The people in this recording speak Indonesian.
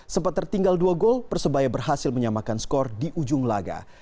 sempat tertinggal dua gol persebaya berhasil menyamakan skor di ujung laga